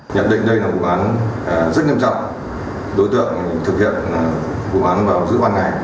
nhận định đây là vụ án rất nghiêm trọng đối tượng thực hiện vụ án vào giữa ban ngày